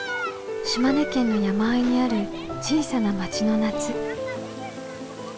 島根県の山あいにある小さな町の夏。